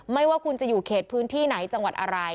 ไม่ว่าคุณจะอยู่เขตพื้นที่ไหนจังหวัดอะไร